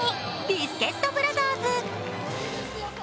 ビスケットブラザーズ。